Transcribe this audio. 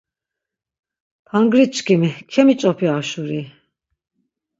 Tangri çkimi kemiç̌opi ha şuri.